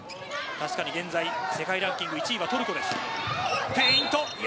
現在世界ランキング１位はトルコです。